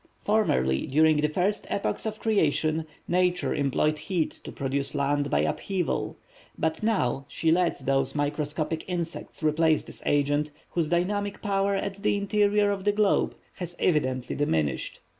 Formerly, during the first epochs of creation, Nature employed heat to produce land by upheaval, but now she lets these microscopic insects replace this agent, whose dynamic power at the interior of this globe has evidently diminished.